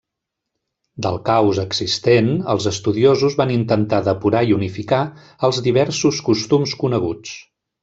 Del caos existent, els estudiosos van intentar depurar i unificar els diversos costums coneguts.